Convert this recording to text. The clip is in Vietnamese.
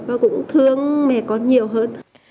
và cũng thương mẹ con nhiều hơn